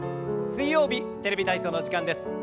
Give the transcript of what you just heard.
水曜日「テレビ体操」の時間です。